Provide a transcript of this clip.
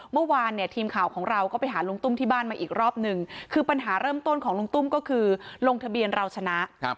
เมื่อวานเนี่ยทีมข่าวของเราก็ไปหาลุงตุ้มที่บ้านมาอีกรอบหนึ่งคือปัญหาเริ่มต้นของลุงตุ้มก็คือลงทะเบียนเราชนะ